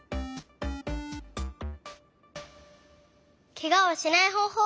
ケガをしないほうほう